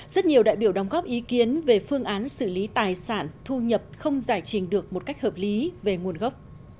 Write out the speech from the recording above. rất nhiều đại biểu đóng góp ý kiến về phương án xử lý tài sản thu nhập không giải trình được một cách hợp lý về nguồn gốc